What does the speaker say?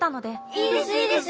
いいですいいです！